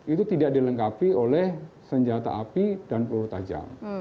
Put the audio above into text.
itu tidak dilengkapi oleh senjata api dan peluru tajam